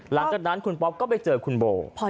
หลังจากนั้นคุณป๊อปก็ไปเจอคุณโบ